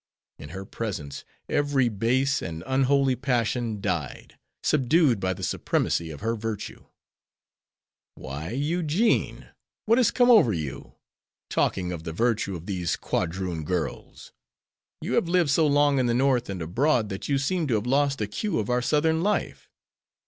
In her presence every base and unholy passion died, subdued by the supremacy of her virtue." "Why, Eugene, what has come over you? Talking of the virtue of these quadroon girls! You have lived so long in the North and abroad, that you seem to have lost the cue of our Southern life.